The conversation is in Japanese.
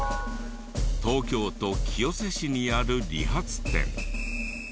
東京都清瀬市にある理髪店。